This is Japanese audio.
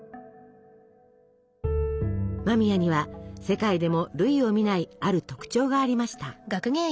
間宮には世界でも類を見ないある特徴がありました。